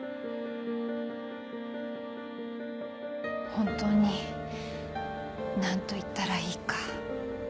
本当に何と言ったらいいか。